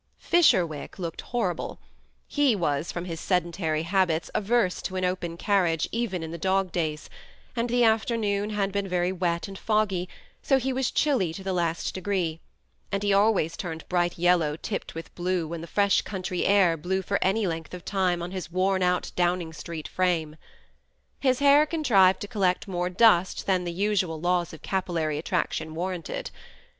Fisherwick looked horrid : he was, from his seden tary habits, averse to an open carriage, even in the dog days ; and the afternoon had been wet and foggy, so he was chilly to the last degree; and he always turned bright yellow tipped with blue when the fresh country air blew for any length of time on his worn out Down ing Street frame. His hair contrived to collect more dust than the usual laws of capillary attraction war ranted.